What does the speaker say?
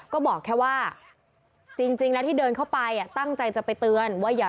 ก็บอกแค่ว่าจริงแล้วที่เดินเข้าไปตั้งใจจะไปเตือนว่าอย่า